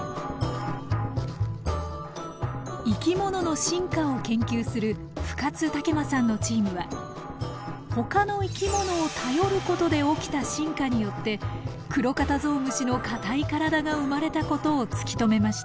生き物の進化を研究する深津武馬さんのチームは他の生き物を頼ることで起きた進化によってクロカタゾウムシの硬い体が生まれたことを突き止めました。